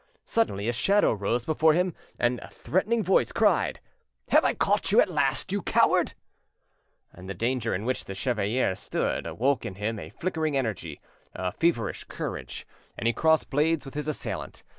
Suddenly a shadow rose before him and a threatening voice cried— "Have I caught you at last, you coward?" The danger in which the chevalier stood awoke in him a flickering energy, a feverish courage, and he crossed blades with his assailant.